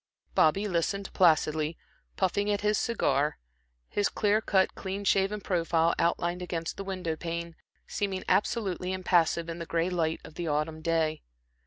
Bobby listened placidly, puffing at his cigar, his clear cut, clean shaven profile, outlined against the window pane seeming absolutely impassive in the gray light of the autumn day.